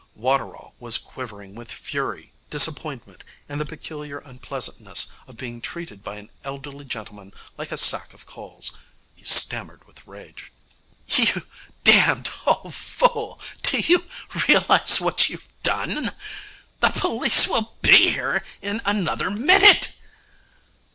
Waterall was quivering with fury, disappointment, and the peculiar unpleasantness of being treated by an elderly gentleman like a sack of coals. He stammered with rage. 'You damned old fool, do you realize what you've done? The police will be here in another minute.'